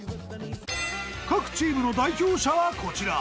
［各チームの代表者はこちら］